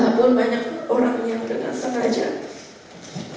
walaupun banyak orang yang kena sengaja